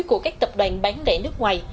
của các tập đoàn bán lẻ nước ngoài